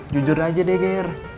jujur aja deh gir